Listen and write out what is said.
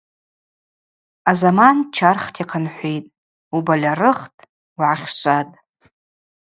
Азаман чархта йхъынхӏвитӏ , убальарыгътӏ — угӏахьшватӏ.